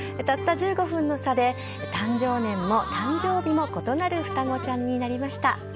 たった１５分の差で誕生年も誕生日も異なる双子ちゃんになりました。